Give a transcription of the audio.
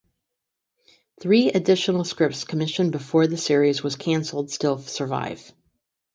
Three additional scripts commissioned before the series was cancelled still survive.